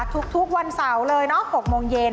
ทุกวันเสาร์เลยโอ้โฮโอ้โฮ